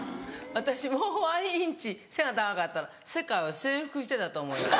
私もう１インチ背が高かったら世界を征服してたと思います。